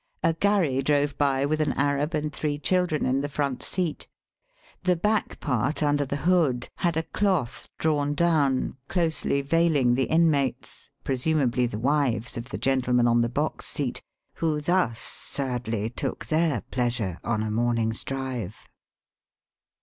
A gharry drove by with an Arab and three children in the front seat. The back part under the hood had a cloth drawn down, closely veiling the inmates — pre sumably the wives of the gentleman on the box seat — who thus sadly took their pleasure on a morning's drive.